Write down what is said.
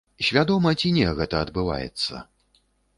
Свядома ці не гэта адбываецца?